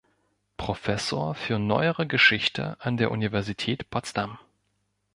Professor für Neuere Geschichte an der Universität Potsdam.